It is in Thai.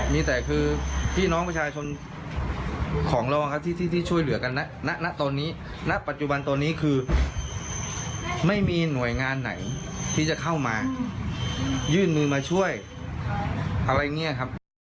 มีแต่คือพี่น้องประชาชนของเราที่ช่วยเหลือกันณตอนนี้ณปัจจุบันตอนนี้คือไม่มีหน่วยงานไหนที่จะเข้ามายื่นมือมาช่วยอะไรอย่างนี้ครับ